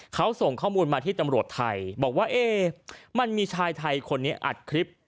เขาส่งข้อมูลมาที่ตำรวจไทยบอกว่าเอ๊มันมีชายไทยคนนี้อัดคลิป